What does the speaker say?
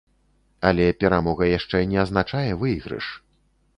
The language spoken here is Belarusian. Але перамога яшчэ не азначае выйгрыш.